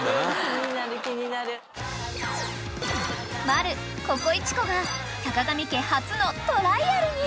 ［マルココイチ子が坂上家初のトライアルに］